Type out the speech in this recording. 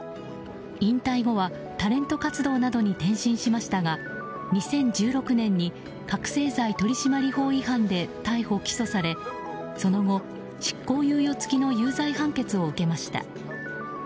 引退後はタレント活動などに転身しましたが、２０１６年に覚醒剤取締法違反で逮捕・起訴されその後、執行猶予付きの有罪判決を受けました。